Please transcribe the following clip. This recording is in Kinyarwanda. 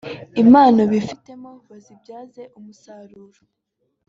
impano bifitemo bazibyaze umusaruro